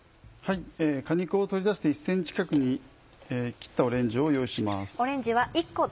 果肉を取り出して１ｃｍ角に切ったオレンジを用意します。